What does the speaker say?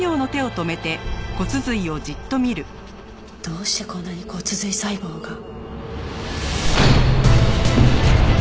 どうしてこんなに骨髄細胞が？